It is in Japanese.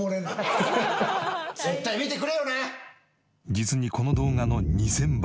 実にこの動画の２０００倍。